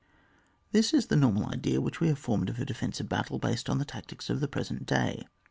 This is the normal idea which we have formed of a defensive battle, based on the tactics of the present day.